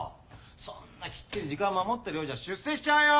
そんなきっちり時間守ってるようじゃ出世しちゃうよ？